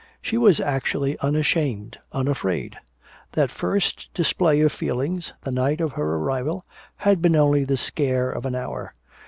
She was actually unashamed, unafraid. That first display of feelings, the night of her arrival, had been only the scare of an hour.